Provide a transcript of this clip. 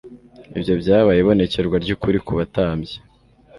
Ibyo byabaye ibonekerwa ry'ukuri ku batambyi